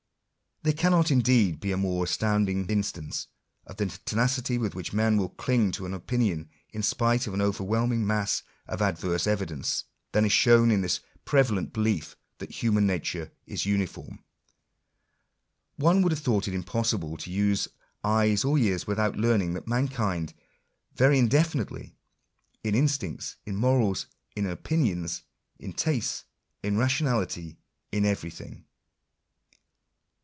There cannot indeed be a more astounding instance of the tenacity with which men will cling to an opinion in spite of an overwhelming mass of adverse evidence, than is shown in this prevalent belief that human nature is uniform. One would have thought it impossible to use eyes or ears without learning that mankind vary indefinitely, in instincts, in morals, in opinions, in tastes, in rationality, in everything.